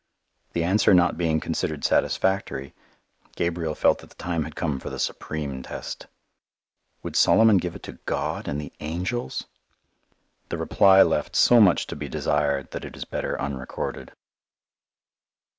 The answer not being considered satisfactory, Gabriel felt that the time had come for the supreme test, Would Solomon give it to God and the angels? The reply left so much to be desired that it is better unrecorded.